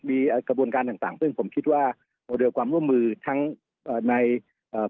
มีกระบวนการต่างต่างซึ่งผมคิดว่าโมเดลความร่วมมือทั้งเอ่อในเอ่อ